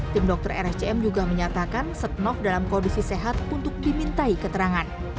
tim dokter rscm juga menyatakan setnov dalam kondisi sehat untuk dimintai keterangan